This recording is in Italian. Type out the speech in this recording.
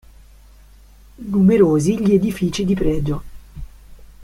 Numerosi gli edifici di pregio.